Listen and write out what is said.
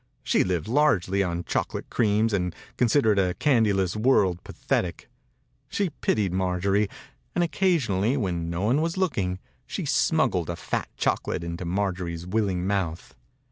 She lived largely on chocolate creams and considered a candyless world pathetic. She pitied Marjorie, and occasionally, when no one was looking, she smuggled a fat chocolate into Marjorie's willing mouth.